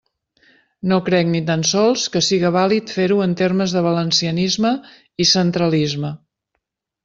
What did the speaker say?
No crec, ni tan sols, que siga vàlid fer-ho en termes de valencianisme i centralisme.